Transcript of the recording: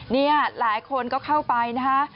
นี่หลายคนก็เข้าไปนะคะ